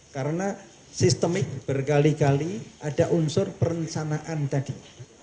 karena sistemik berkali kali ada unsur perencanaan tadi